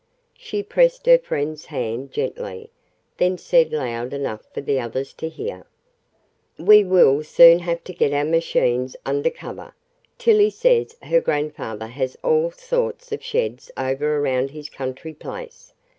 She pressed her friend's hand gently, then said loud enough for the others to hear: "We will soon have to get our machines under cover. Tillie says her grandfather has all sorts of sheds over around his country place.